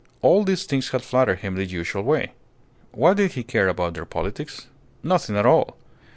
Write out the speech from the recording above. All these things had flattered him in the usual way. What did he care about their politics? Nothing at all.